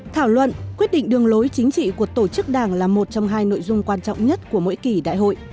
thảo luận quyết định đường lối chính trị của tổ chức đảng là một trong hai nội dung quan trọng nhất của mỗi kỳ đại hội